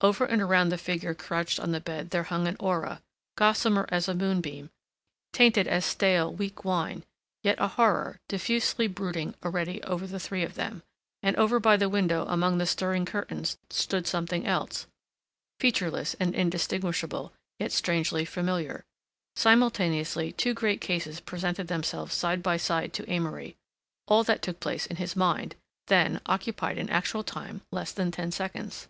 over and around the figure crouched on the bed there hung an aura, gossamer as a moonbeam, tainted as stale, weak wine, yet a horror, diffusively brooding already over the three of them... and over by the window among the stirring curtains stood something else, featureless and indistinguishable, yet strangely familiar.... Simultaneously two great cases presented themselves side by side to Amory; all that took place in his mind, then, occupied in actual time less than ten seconds.